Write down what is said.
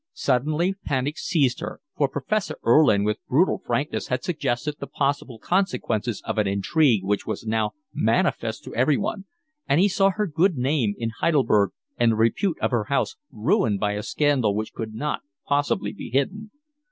Suddenly panic seized her; for Professor Erlin with brutal frankness had suggested the possible consequences of an intrigue which was now manifest to everyone, and she saw her good name in Heidelberg and the repute of her house ruined by a scandal which could not possibly be hidden.